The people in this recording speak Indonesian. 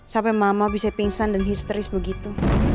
sampai mama bisa pingsan dan histeris begitu